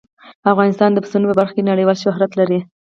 افغانستان د پسونو په برخه کې نړیوال شهرت لري.